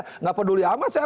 tidak peduli apa saya